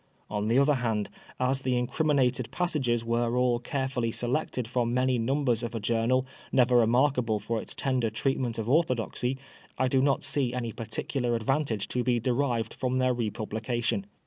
On the other hand, as the incrimi nated passages were all carefully selected from many numbers of a journal never remarkable for its tender treatment of orthodoxy, I do not see any particular advantage to be derived from their republication.